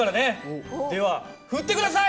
では振って下さい！